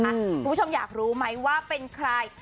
คุณผู้ชมอยากรู้ไหมว่าเป็นใคร